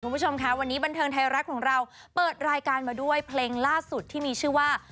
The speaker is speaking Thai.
คุณผู้ชมค่ะวันนี้บันเทิงไทยรัฐของเราเปิดรายการมาด้วยเพลงล่าสุดที่มีชื่อว่า